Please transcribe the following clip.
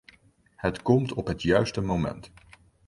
Het komt op het juiste moment.